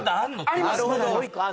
あります！